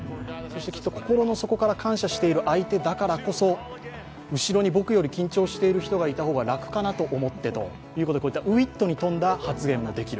心の底から感謝している相手だからこそ、後ろに僕より緊張している人がいた方が楽かなと思ってという、ウィットに富んだ発言もできる。